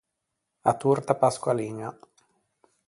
A torta pasqualiña.